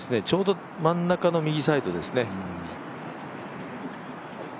ちょうど真ん中の右サイドですね。